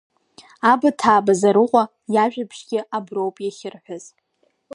Абаҭаа Базарыҟәа иажәабжьгьы аброуп иахьырҳәаз.